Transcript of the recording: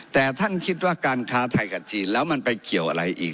แต่ท่านคิดว่าการค้าไทยกับจีนแล้วมันไปเกี่ยวอะไรอีก